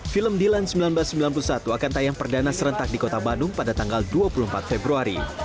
film dilan seribu sembilan ratus sembilan puluh satu akan tayang perdana serentak di kota bandung pada tanggal dua puluh empat februari